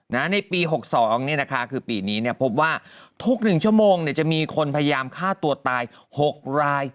ในปี๖๒คือปีนี้พบว่าทุก๑ชั่วโมงจะมีคนพยายามฆ่าตัวตาย๖ราย